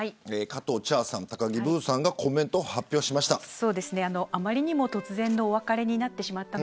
加藤茶さん、高木ブーさんがコメントを発表しました。